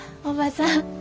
おばさん。